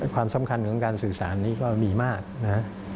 ความสำคัญของการสื่อสารนี้ก็มีมากนะฮะ